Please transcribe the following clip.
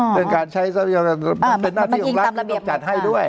เป็นการใช้เป็นหน้าที่ของรัฐมันต้องจัดให้ด้วย